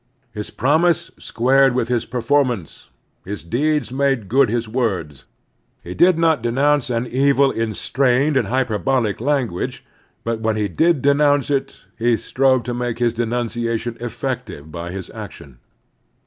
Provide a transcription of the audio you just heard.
His promise squared with his performance. His deeds made good his words. He did not denotmce an evil in strained and hyperbolic language; but when he did denotmce it, he strove to make his dentmcia tion effective by his action.